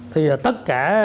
thì tất cả